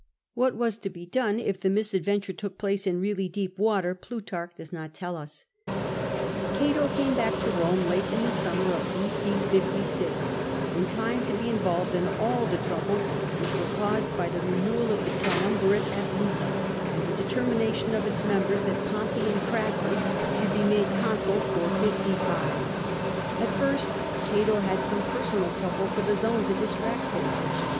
What was to be done if the misadventure took place in really deep water, Plutarch does not tell us. Cato came back to Rome late in the summer of B.C. 56, in time to be involved in all the troubles which were caused by the renewal of the triumvirate at Lucca, and the determination of its members that Pompey and CrasBUS should be made consuls for 5.5. At first Cato 220 CATO had some personal troubles of his own to distract him.